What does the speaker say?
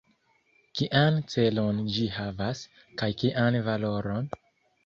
Kian celon ĝi havas, kaj kian valoron?